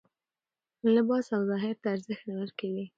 لباس او ظاهر ته ارزښت نه ورکوي